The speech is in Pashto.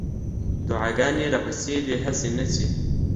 دعاګانې راپسې دي هسې نه چې